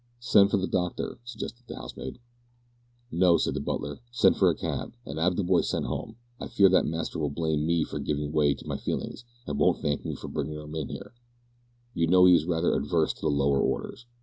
"Send for the doctor," suggested the housemaid. "No," said the butler, "send for a cab, and 'ave the boy sent home. I fear that master will blame me for givin' way to my feelin's, and won't thank me for bringin' 'im in here. You know he is rather averse to the lower orders.